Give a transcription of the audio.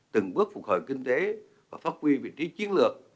từng bước phục hồi kinh tế và phát huy vị trí chiến lược